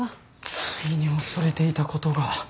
ついに恐れていたことが。